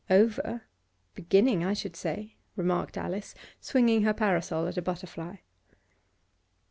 'Over? Beginning, I should say,' remarked Alice, swinging her parasol at a butterfly.